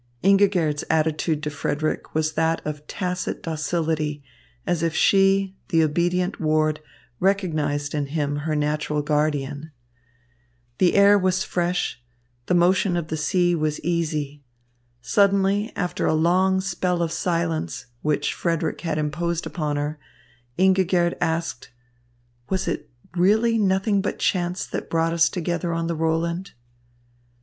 Ingigerd's attitude to Frederick was that of tacit docility, as if she, the obedient ward, recognised in him her natural guardian. The air was fresh, the motion of the sea was easy. Suddenly, after a long spell of silence, which Frederick had imposed upon her, Ingigerd asked: "Was it really nothing but chance that brought us together on the Roland?"